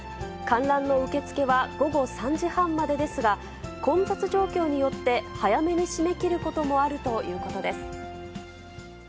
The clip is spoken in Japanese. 観覧の受け付けは午後３時半までですが、混雑状況によって早めに締め切ることもあるということです。